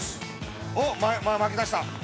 おっ、巻きだした。